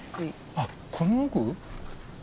あっこの奥？